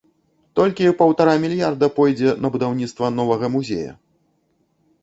Толькі паўтара мільярда пойдзе на будаўніцтва новага музея.